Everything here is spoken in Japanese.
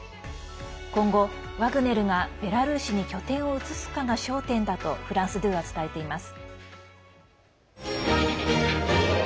今後、ワグネルがベラルーシに拠点を移すかが焦点だとフランス２は伝えています。